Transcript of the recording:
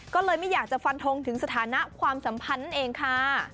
ก็เลยไม่อยากจะฟันทงถึงสถานะความสัมพันธ์นั่นเองค่ะ